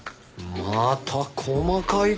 また細かい事を。